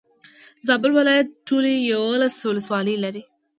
زابل ولايت ټولي يولس ولسوالي لري.